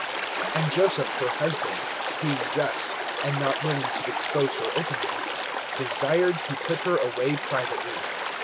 (19)And Joseph her husband, being just, and not willing to expose her openly[1:19], desired to put her away privately.